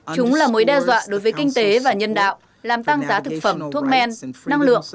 chúng là mối đe dọa đối với kinh tế và nhân đạo làm tăng giá thực phẩm thuốc men năng lượng